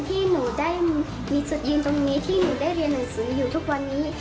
ที่หนูได้มีจุดยืนตรงนี้ที่หนูได้เรียนหนังสืออยู่ทุกวันนี้